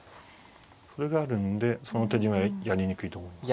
それがあるんでその手順はやりにくいと思います。